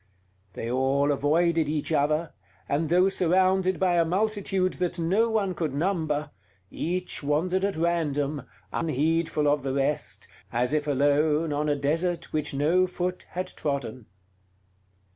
They all avoided each other, and though surrounded by a multitude that no one could number, each wandered at random, unheedful of the rest, as if alone on a desert which no foot had trodden.